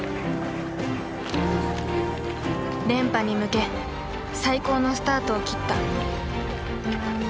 連覇に向け最高のスタートを切った。